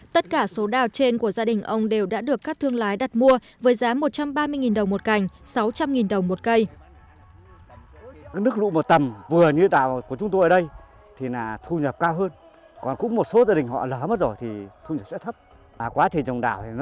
tất cả số đào trên của gia đình ông đều đã được các thương lái đặt mua với giá một trăm ba mươi đồng một cành sáu trăm linh đồng một cây